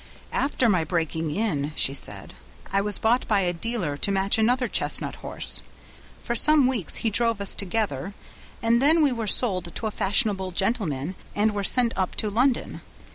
"After my breaking in," she said, "I was bought by a dealer to match another chestnut horse. For some weeks he drove us together, and then we were sold to a fashionable gentleman, and were sent up to London.